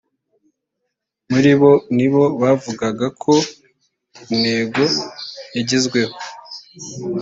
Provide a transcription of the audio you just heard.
muri bo ni bo bavugaga ko intego yagezweho